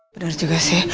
bener juga sih